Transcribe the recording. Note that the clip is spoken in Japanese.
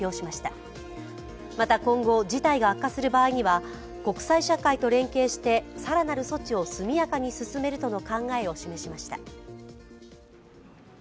また、今後、自体が悪化する場合には国際社会と連携して更なる措置を進めるとの考えを示しました。